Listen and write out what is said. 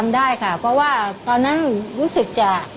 ได้ค่ะเพราะว่าตอนนั้นรู้สึกจะ